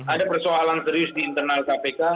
ada persoalan serius di internal kpk